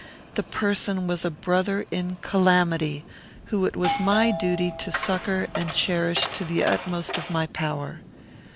The person was a brother in calamity, whom it was my duty to succour and cherish to the utmost of my power.